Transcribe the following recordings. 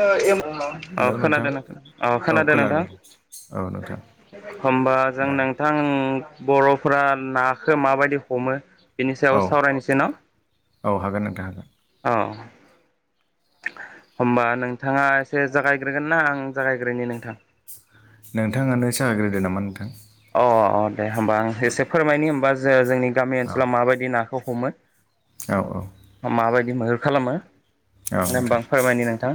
[unintelligible] अ खोनादों नोंथां अ खोनादों नोंथां। औ नोंथां होनबा जों दे नोंथां। बर'फोरा नाखौ माबायदि हमो? बिनि औ सायाव सावरायनोसै ना औ हागोन नोंथां हागोन औ। होमबा नोंथाङा एसे जागायग्रोगोन ना आं जागायग्रोनि नोंथां। नोंथाङानो साहाग्रोदो नामा नोंथां। अ अ दे होमबा आं एसे फोरमायनि होमबा जे जोंनि गामि औ ओनसोलाव माबायदि नाखौ हमो। औ औ। बि मैहुर खालामो औ नोंथां [unintelligible] फोरमायनि नोंथां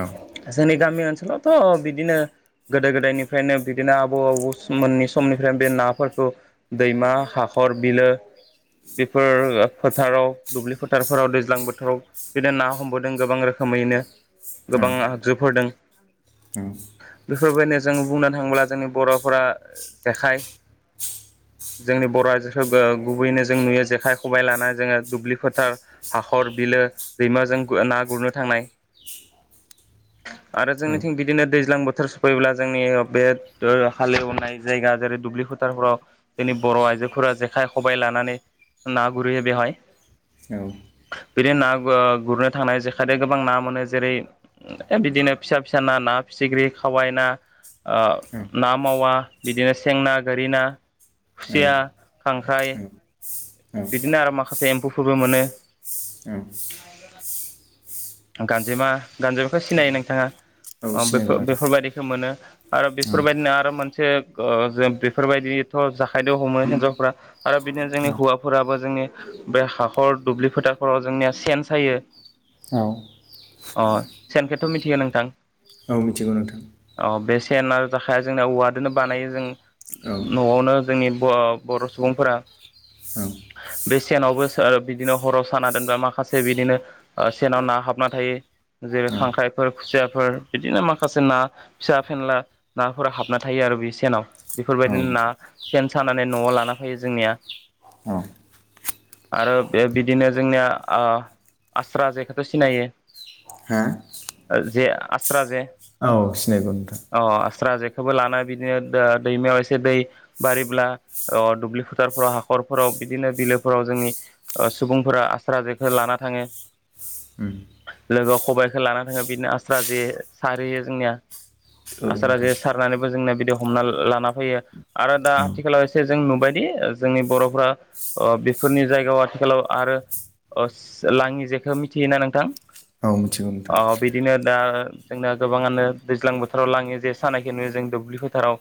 औ गामि ओनसोलावथ' बिदिनो गोदो गोदायनिफ्रायनो बिदिनो आबौ आबौ मोननि समनिफ्राय बे नाफोरखौ दैमा हाखर बिलो बेफोर फोथाराव दुब्लि फोथारफोराव दैज्लां बोथोराव बिदिनो ना हमबोदों गोबां रोखोम। खोमैनो गोबां आगजुफोरदों उम। बेफोरबायदिनो जों बुंनो थाङोब्ला जोंनि बर'फोरा जेखाय जोंनि बर' आजोफोरबो गुबैनो जों नुयो जेखाइ खबाइ लानाय जोङो दुब्लि फोथार हाखर बिल लो दैमाजों गु ना गुरनो थांनाय आरो जोंनिथिं बिदिनो दैज्लां बोथोर सफैब्ला जोंनि बे [unintelligible] हालेवनाय जायगा जेरै दुब्लि फोथारफोराव जोंनि बर' आइजोफोरा जेखाय खबाइ लानानै। ना गुरहैयो बेवहाय। औ। बिदिनो ना गु गुरनो थांनाय जेखायदो गोबां ना मोनो जेरै ओइ बिदिनो फिसा फिसा ना ना। फिथिग्रि खावाइ ना ओ ना मावा बिदिनो सें ना, गोरि ना। खुसिया खांख्राइ औ बिदिनो आरो माखासे एम्फौफोरबो मोनो ओं गांजेमा गांजेमाखौ सिनायो नोंथाङा? औ अ सिनायगौ बेफोर नोंथां बेफोरबायदिखौ मोनो आरो औ बेफोरबायदिनो आरो मोनसे। गो जों बेफोरबायदिथ' जाखायदो हमो हिनजावफोरा आरो बिदिनो जोंनि हौवा। बो जोंनि बे हाखर दुब्लि फोथारफोराव जोंनिया सेन सायो। औ। अ सेनखोथ' मिथिगो नोंथां। औ मिथिगौ नोंथां। अ बे सेन आरो जेखाया जोंना औवादोंनो बानायो जों औ न'आवनो जोंनि ब बर' सुबुंफोरा। ओं। बे सेनावबो सो ओ बिदिनो हराव साना दोनबा माखासे बिदिनो ओ सेनाव ना हाबना थायो। जेरै औ खांख्राइफोर खुसियाफोर बिदिनो माखासे ना फिसा फेनला नाफोरा हाबना थायो आ। आरो बे सेनाव औ बेफोरबायदिनो ना नोंथां सेन सानानै न'आव लाना फैयो जोंनिया। औ। आरो बे बिदिनो जोंनिया ओ आस्रा जेखौथ' हा सिनायो। जे आस्रा जे औ सिनायगौ नोंथां अ आस्रा जे। खौबो लाना बिदिनो दो दैमायाव एसे दै बारिब्ला अ दुब्लि फोथारफोराव हाख खरफोराव बिदिनो बिलोफोराव जोंनि ओ सुबुंफोरा आस्रा जेखौ लाना थाङो। उम, लोगोआव खबाइखौ लाना थाङो बिदिनो आस्रा जे सारहैयो जोंनिया औ आस्रा नोंथां जे सारनानैबो जोंना बिदि हमना लाना फैयो आरो दा औ आथिखालाव एसे जों नुबायदि जोंनि बर'फोरा ओ बेफोरनि जायगायाव आथिखालाव आरो। अस लाङि जेखो मिथियोना नोंथां औ मिथिगौ अ नोंथां बिदिनो दा। जोंना गोबाङानो दैज्लां बोथोराव लाङि जे सानायखो नुयो जों दुब्लि फोथाराव।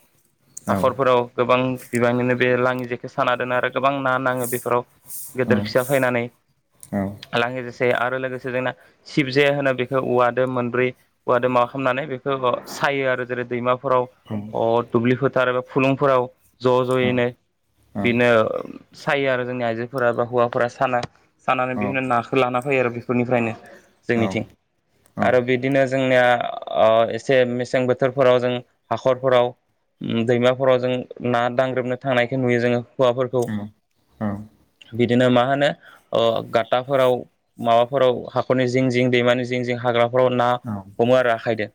हाखरफोराव गोबां बिबाङैनो बे लाङि जेखौ साना दोनो। रो गोबां ना नाङो बेफोराव औ गेदेर फिसा फैनानै। औ लाङि जासे आरो लोगोसे जोंना सिबजे होनो बेखौ औवादो मोनब्रै औवादो मा खामनो। नानै बेखौ बो सायो आरो जेरै दैमाफोराव अ दुब्लि फोथार एबा फुलुंफोराव ज' ज'यैनो बिनो ओ सायो आरो जोंनि आइजोफोरा बा हौवाफोरा साना सानानै बिदिनो नाखौ लाना फैयो आरो बेफोरनिफ्रायनो जोंनिथिं आरो बिदिनो जोंनिया ओ एसे मेसें बोथोरफोराव जों हाखरफोराव उम दैमाफोराव जों ना दांग्रोमनो थांनायखौ नुयो जोङो हौवाफोर औ औ द [inaudible] बिदिनो मा होनो गाथाफोराव माबाफोराव हाखरनि जिं जिं दैमानि जिं जिं ह हाग्राफोराव ना हमो आरो आखाइदों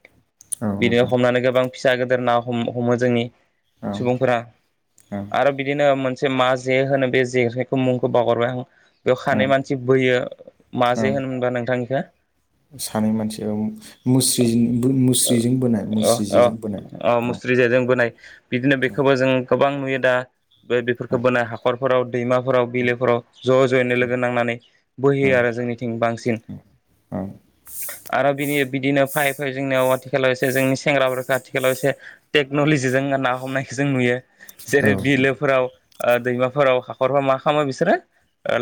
औ बिदिनो नोंथां हमनानै गोबां फिसा गिदिर ना हमो जोंनि औ सुबुंफोरा औ आरो बिदिनो मोनसे से मा जे होनो बे जेखायखौ मुंखौ बावगरबाय आं बेयाव खानै मानसि बोयो मा जे औ होन होनबा नोंथांनिखौ सानै मानसिया मुस्रि मुस्रिजों बोनाय मुस्रि जेजों बोनाय मुस्रिजाय जों बोनाय बिदिनो औ बेखौबो जों गोबां नुयो दा बे बे होबोनाय हाखरफोराव दैमाफोराव बिलोफोराव ज' ज'यैनो लोगो नांनानै बोहैयो आरो जोंनिथिं बा बांसिन अ आरो बिनि बिदिनो फै फै जोंनियाव आथिखालाव एसे जोंनि सेंग्राफोरखौ आथिखालाव एसे टेकन'लजि जों ना हमनायखौ जों नुयो औ जेरै नोंथां बिलोफोराव दैमाफोराव हाखरफोर मा खालामो बिसोरो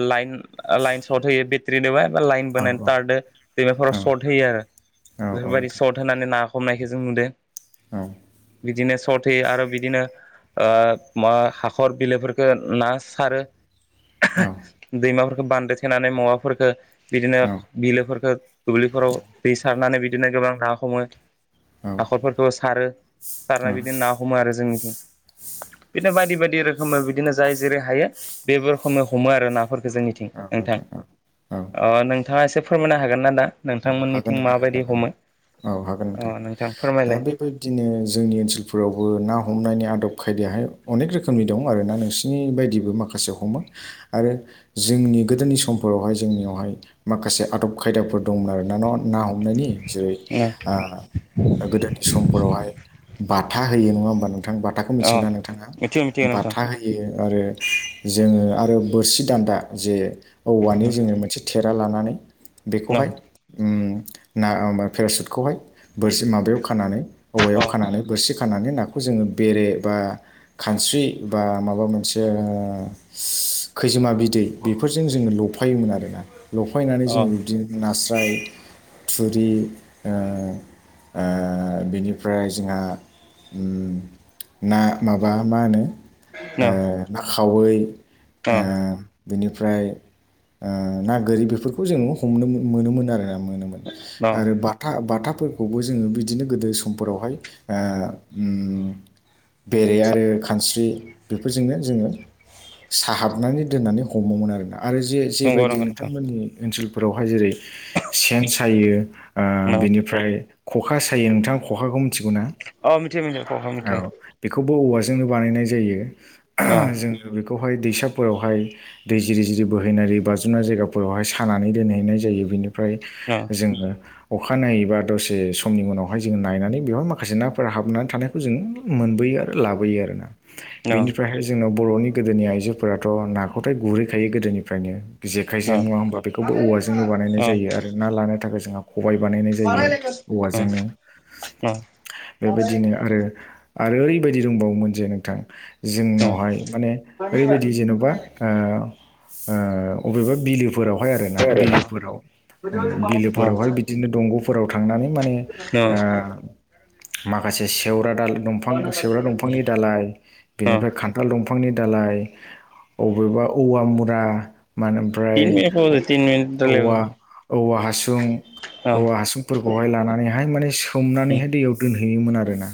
लाइन लाइन सर्ट होयो बेट्रि दोबा बा लाइन औ औ नोंथां बानायनानै औ टारदो दैमाफोराव सर्ट होयो आरो औ औ बेफोरबायदि नोंथां सर्ट होनानै ना हमनायखौ जों नुदों बिदिनो सथे आरो बिदिनो माबा हाखर बिलोफोर ना सारो दैमाफोरफोरखौ बान्दो थेनानै मावाफोरफोरखौ बिदिनो औ बिलोफोरखौ दुब्लिफोर फोराव दै सारनानै बिदिनो गोबां ना हमो हाखरफोरखौ सारो सारनानै बिदिनो ना हमो आरो जोंनिथिं बिदिनो बायदि बायदि रोखोम बिदिनो जाय जेरै हायो बे रोखोमै हमो आरो नाफोरखौ जोंनिथिं नोंथां औ नोंथाङा एसे फोरमायनो हागोन ना दा हागोन नोंथांमोननिथिं नोंथां हागोन माबायदि हमो औ हागोन अ नोंथां दा फोरमायलाय बेबायदिनो जोंनि ओनसोलफोरावबो ना हमनायनि आदब खायदायाहाय अनेक रोखोमनि दं आरोना नोंसिोरनि बायदिबो माखासे हमो आरो जोंनि गोदोनि समफोरावहाय जोंनियावहाय माखासे आदब खायदाफोर दंमोन आरोना न' ना हमनायनि जेरै गोदोनि समफोरावहाय बाथा होयो नङा होमबा नोंथां बाथाखौ अ मिथिगौ नना नोंथाङा मिथिगौ मिथिगौ नोंथां बाथा होयो आरो जोङो आरो बोरसि दान्दा जे औवानि जोङो मोनसे सेरा लानानै बेखौहाय ओम पेराासुटखौहाय बोरसि माबायाव खानानै औवायाव खानानै बोरसिखौ खानानै नाखौ जोङो बेरे बा खानस्रि बा माबा मोनसे खैजोमा बिदै बेफोरजों जोङो लफायोमोन आरोना लफायनानै अ जोङो बिदिनो नास्र फ्राय थुरि बिनिफ्राय जोंहा ना माबा मा होनो अ ना खावै अ बेनिफ्राय ना गोरि बेफोरखौ जोङो हमनो मोनोमोन आरोना मोनोन आरो बाथा बाथा फोरखौबो जोंडो़ बिदिनो गोदो समफोरावहाय बेरे आरो खानस्रि बेफोरजोंनो जोङो साहाबनानै दोननानै हमोमोन आरोना आरो जे नंगौ जेबायदि नंगौ नोंथां नोंथांमोननि ओनसोलफोरावहाय जेरै सेन सायो औ बिनिफ्राय ख'खा सायो नोंथाङा खखाखौनो अ मिथियो मिथियो खखा मिथियो औ बेखौ औवाजोंनो बानायनाय अ जायो जों बे बेहाय दैसाफोरावहाय दै जिरि जिरि बोहैनानै बाजुमनाय जायगाफोरावहाय सानानै दोनहैनाय जायो बेनो ओमफ्राय अ जोङो अखाानायनायैबा दसे समनि उनाव बेवहाय जोङ नायनानै बेवहाय माखासे नाफोर हाबनानै थानायखौ जों मोनबोयो आरो लाबोयो आरो ना अ बेनिफ्रायहाय जोंनाव बर'नि गोदोनि आइजोफोराथ' नाखौथाय गुरहैखायो गोदोनिफ्रायनो अ जेखाइजों नङा होमबा बेखौबो औवाजोंनो बानायनाय जायो आरो ना लानो थाखाय जोंहा खबाइ बानायनाय जायो औवाजोंनो बेबायदिनो आरो आरो ओरैबायदि दंबावोमोन जे नोंथां जोंनावहाय माने ओरैबायदि जेन'बा आ आ अबेबा बिलोफोरावहाय आरोना बिलोफोराव बिलोफोरावहाय बिदिनो दंग'फोराव थांनानै माने अ आ माखासे सेवरा दा दंफां सेवरा दंफांनि दालाय बेनिफ्राय खान्थाल दंफांनि दालाय अबेबा औवा मुरा मानोमफ्राय तिन मिनिट तिन मिनिट [unintelligible] औवा औवा हा सुं औवा हासुंफोरखौहाय लानानैहाय माने सोमनानैहाय रायलायबानो दैयाव दोनहैयोमोन आरो ना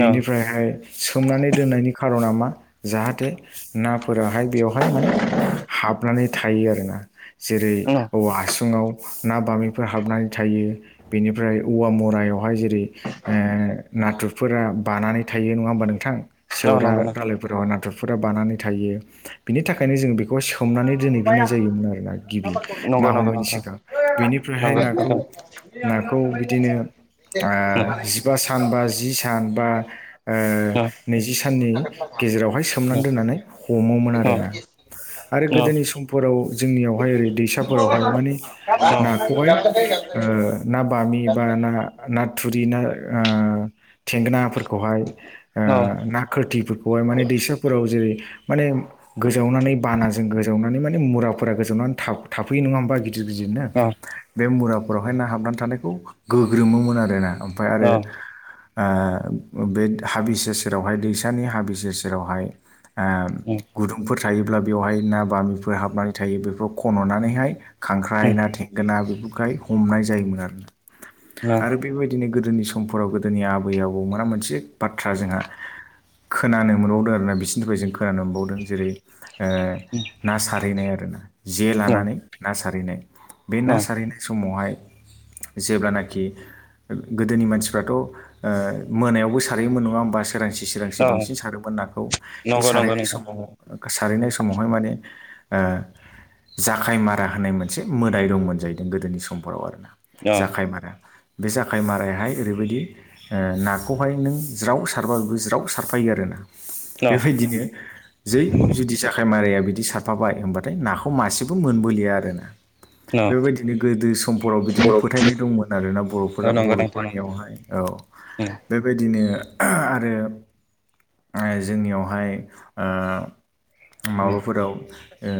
बेनिफ्रायहाय सोमनानै दोननायनि खार'ना मा जाहाथे नाफोराहाय बेवहाय माने हाबनानै थायो आरोना जेरै औवा हासुङाव ना बामिफोर हाबनानै थायो बेनिफ्राय औवा मु रायावहाय जेरै ओ नाथुरफोरा बानानै थायो नङा होमबा नोंथां सेवरा नंगौ नोंथां दाालायफोरावहाय नाथुरफोरा बानानै थायो बिनि थाखायनो जों बे खौ सोमनानै दोनहैब्रोनाय जायोमोन आरो ना गिबि ना नंगौ नंगौ हमैनायनि नोंथां सिगां बेनिफ्रायहाय नंगौ नाखौ नाखौ बिदिनो आ जिबा सान बा जि सान बा आ नैजि साननि गेजेरावहाय सोमनानै नोंथां दोननानै हमोमोन अ आरोना [inaudible] आरो गोदोनि समफोराव जोंनियावहाय ओरै नंगौ दैसाफोरावहाय माने नोंथां नाखौहाय नंगौ नोंथां अ ओ ना बामि बा ना ना थुरि ना ओ थेंगोनाफोर खौहाय आ ना खोरथिफोरखौहाय माने दैसाफोराव जेरै माने गोजावनानै बानाजों गोजावनानै माने मुरा फोरा गोजावनानै था थाफैयो नङा होमबा गिदिर गिदिरनो बे मुरा फोरावहाय ना हाबनानै थानायखौ गोग्रोमोमोन आरो ना ओमफ्राय आरो आ बे हाबि सेर सेरावहाय दैसानि हाबि सेर सेरावहाय आ गुदुंफोर थायोब्ला बेवहाय ना बामिफोर हाबनानै थायो बेफोराव खन'नानैहाय खांख्राइ ना थेंगोना बेफोरखाय हमनाय जायोमोन आरो आरो बेबायदिनो गो दोनि समफोराव गोदोनि आबै आबौमोना मोनसे बाथ्रा जोंहा खोनानो मोनबावदों आरोना बिसोरनि थाखाय जों खोनानो मोनबावदों जेरै आ ना सारहैनाय आरो ना जे लानानै ना सारहैनाय बे ना सारहैनाय समावहाय जेब्लाना खि गोदोनि मानसिफ्राथ' आ मोनायावबो सारहयोमोन नङा होमबा सोरांसि सोरांसि बांसिन सारोमोन नाखौ बे सारहनाय समाव सारहैनाय समावहाय माने आ जाखाय मारा होननाय मोनसे मोदाय दं मोनजाहैदों गोदोनि समफोराव आरोना जाखाय मारा बे जाखाय मारायहाय ओरैबायदि नाखौहाय नों ज्राव सारबो ज्राव सारफायो आरो ना बेबायदिनो जै जुदि साखाय माराया बि दि सारफाबाय होमबाथाय नाखौ मासेबो मोनबोलिया आरोना बेबायदिनो गोदो समफोराव बिदिनो फोथायनाय दंमोन। आरोना बर'फोरा बर'फोरनियावहाय औ बेबायदिनो आरो जोंनियावहाय उम माबाफोराव आ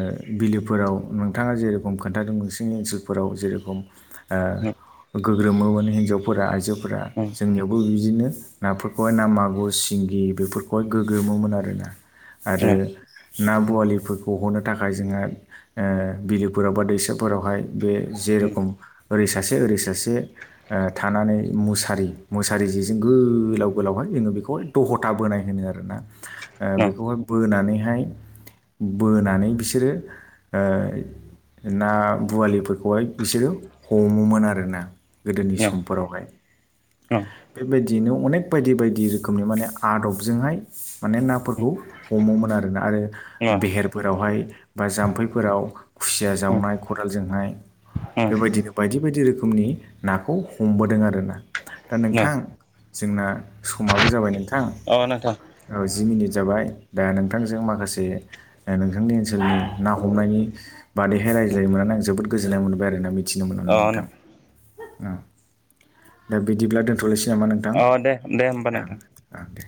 बिलोफोराव नोंथाङा जेरेखम खोन्थादों नोंसिनि ओनसोलफोराव जेरेखम आ गोग्रोमोमोन हिन्जावफोरा आइजोफोरा जोंनियावबो बिदिनो नाफोरखौहाय ना मागुर सिंगि बेफोरखौहाय गोग्रोमोन आरोना आरो ना बवालिफोरखौ हमनो थाखाय जोंहा ओ बिलोफोराव बा दैसाफोरावहाय बे जेरेखम ओरै सासे ओरै सासे थानानै मुसारि मुसारि जेजों गोलाव गोलावहाय जो बेखौहाय द- बोनाय होनो आरोना बेखौहाय बोनानैहाय बोनानै बिसोरो ओ ना बुवालिफोरखौहाय बिसोरो हमोमोन आर ना गोदोनि समफोरावहाय बेबायदियैनो अनेक बायदि बायदि रोखोमनि माने आदबजोंहाय माने नाफोरखौ हमोमोन आरोना आरो बेहेरफोरावहाय बा जाम्फैफोराव खुसिया जावनाय खदालजोंहाय बेबायदिनो बायदि बायदि रोखोम नि नाखौ हमबोदों आर ना दा नोंथां जोंना समाबो जाबाय नोंथां नोंथां औ जि मिनिट जाबाय दा नोंथांजों माखासे नोंथांनि ओनसोलनि ना हमनायनि बादैहाय रायज्लायनो मोननानै आं जोबोद गोजोननाय मोनबाय आरोना मिथिनो मोननानै अ नोंथां दा बिदिब्ला दोनथ'नोसै नामा नोंथां अ दे दे होमबा औ नोंथां औ दे।